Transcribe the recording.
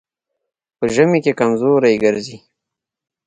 په ژمي کې کمزوری ګرځي.